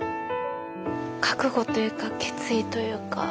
覚悟というか決意というか。